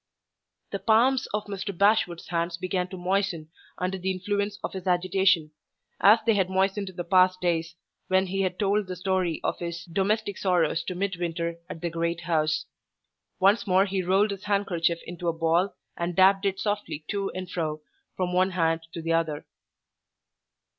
The palms of Mr. Bashwood's hands began to moisten under the influence of his agitation, as they had moistened in the past days when he had told the story of his domestic sorrows to Midwinter at the great house. Once more he rolled his handkerchief into a ball, and dabbed it softly to and fro from one hand to the other.